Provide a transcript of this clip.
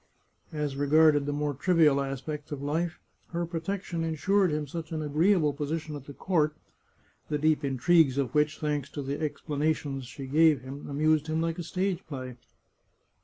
As regarded the more trivial aspects of life, her protection insured him such an agreeable position at the court, the deep intrigues of which, thanks to the explanations she gave him, amused him like a stage play.